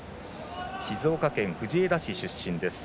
静岡県藤枝市出身です。